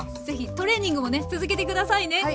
ぜひトレーニングもね続けて下さいね！